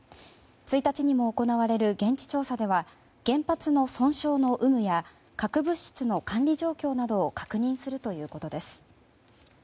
１日にも行われる現地調査では原発の損傷の有無や核物質の管理状況などを確認するということです。